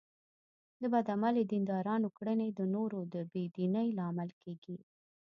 د بد عمله دیندارانو کړنې د نورو د بې دینۍ لامل کېږي.